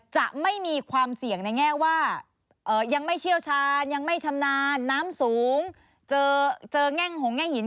จะไม่มีความเสี่ยงในแง่ว่ายังไม่เชี่ยวชาญยังไม่ชำนาญน้ำสูงเจอแง่งหงแง่หิน